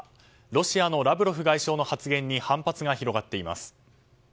ロシアのラブロフ外相の発言に反発が広がっています。